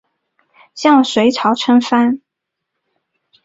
向隋朝称藩。